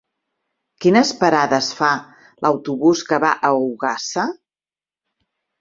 Quines parades fa l'autobús que va a Ogassa?